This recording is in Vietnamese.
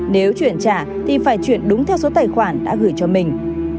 nếu chuyển trả thì phải chuyển đúng theo số tài khoản đã gửi cho mình